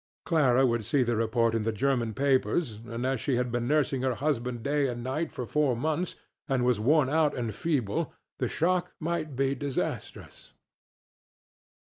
Clara would see the report in the German papers, and as she had been nursing her husband day and night for four months and was worn out and feeble, the shock might be disastrous.